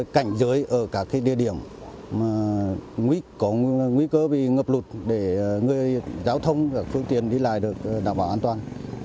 cảnh giới ở các địa điểm có nguy cơ bị ngập lụt để người giao thông các phương tiện đi lại được đảm bảo an toàn